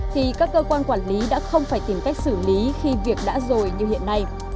thì các cơ quan quản lý đã không phải tìm cách xử lý khi việc đã rồi như hiện nay